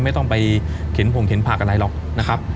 ไม่ต้องไปเข็นผงเข็นผักอะไรหรอกนะครับ